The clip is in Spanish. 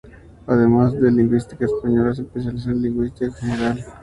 Además de en lingüística española, se especializó en lingüística general.